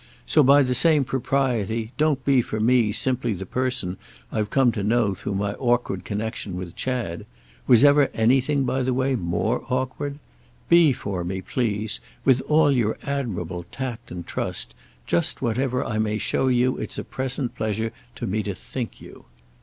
So, by the same propriety, don't be for me simply the person I've come to know through my awkward connexion with Chad—was ever anything, by the way, more awkward? Be for me, please, with all your admirable tact and trust, just whatever I may show you it's a present pleasure to me to think you."